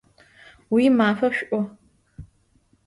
Vuimafe ş'u!